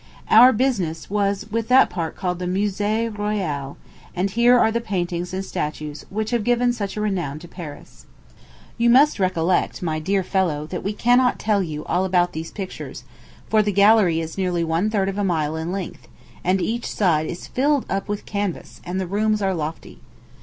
Our business was with that part called the Musée Royal, and here are the paintings and statues which have given such a renown to Paris. You must recollect, my dear fellow, that we cannot tell you all about these pictures, for the gallery is nearly one third of a mile in length, and each side is filled up with canvas, and the rooms are lofty.